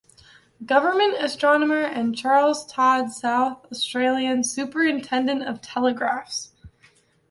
Government Astronomer and Charles Todd South Australian Superindentent of Telegraphs.